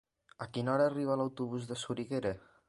A quina hora arriba l'autobús de Soriguera?